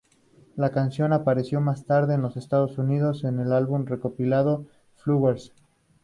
La canción apareció más tarde en los Estados Unidos, en el álbum recopilatorio "Flowers".